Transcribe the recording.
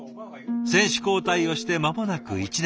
選手交代をして間もなく１年。